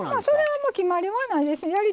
それは決まりはないですね。